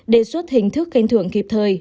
đề xuất hình thức khen thưởng kịp thời